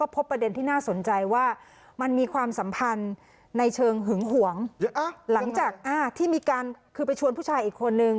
ไปชวนผู้ชายอีกคนหนึ่ง